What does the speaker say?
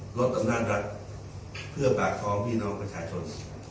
ลดอำนาจรัฐเพื่อปากท้องพี่น้องประชาชน